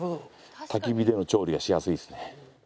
焚き火での調理がしやすいですね。